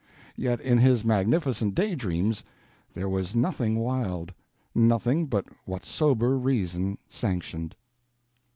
Yet in his magnificent day dreams there was nothing wild—nothing but what sober reason sanctioned.